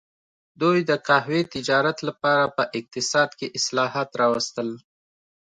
دوی د قهوې تجارت لپاره په اقتصاد کې اصلاحات راوستل.